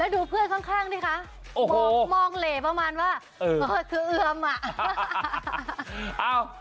ดูเพื่อนข้างดิคะมองเหลขว่าที่เอาม